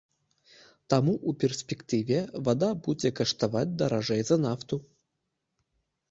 Таму ў перспектыве вада будзе каштаваць даражэй за нафту.